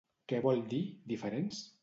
¿Què vol dir, diferents?